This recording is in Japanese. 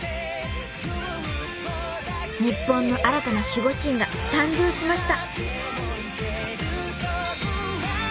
［日本の新たな守護神が誕生しました］